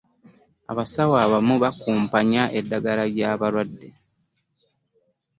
Abasaeo abamu bakumpanya eddagala ly'abalwadde .